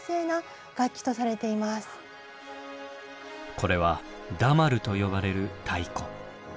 これは「ダマル」と呼ばれる太鼓。